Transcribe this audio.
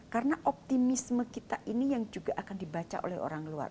karena optimisme kita ini yang juga akan dibaca oleh orang luar